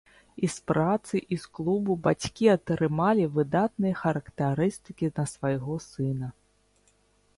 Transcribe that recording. І з працы, і з клубу бацькі атрымалі выдатныя характарыстыкі на свайго сына.